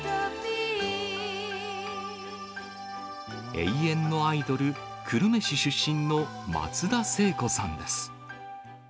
永遠のアイドル、久留米市出身の松田聖子さんです。